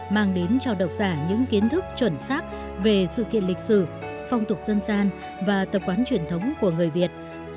mang đến cho độc giả những kiến thức chuẩn xác về sự kiện lịch sử phong tục dân gian và tập quán truyền thống của người việt